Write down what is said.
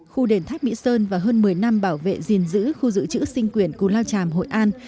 khu đền thác mỹ sơn và hơn một mươi năm bảo vệ diền giữ khu giữ chữ sinh quyền cung lao tràm hội an